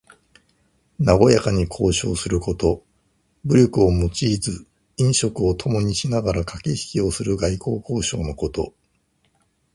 なごやかに交渉すること。武力を用いず飲食をともにしながらかけひきをする外交交渉のこと。